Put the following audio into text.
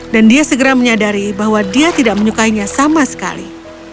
dan dia segera menyadari bahwa dia tidak menyukainya sama sekali